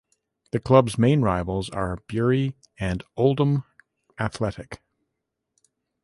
The club's main rivals are Bury and Oldham Athletic.